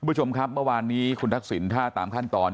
คุณผู้ชมครับเมื่อวานนี้คุณทักษิณถ้าตามขั้นตอน